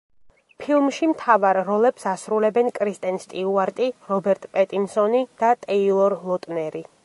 ფილმში მთავარ როლებს ასრულებენ კრისტენ სტიუარტი, რობერტ პეტინსონი და ტეილორ ლოტნერი.